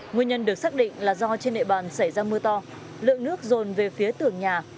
nguyên nhân được xác định là do trên địa bàn xảy ra mưa to lượng nước rồn về phía tường nhà